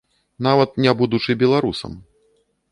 Нават не будучы беларусам.